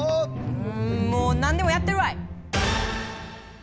うんもうなんでもやったるわい！